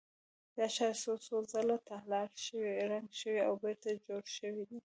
دا ښار څو څو ځله تالا شوی، ړنګ شوی او بېرته جوړ شوی دی.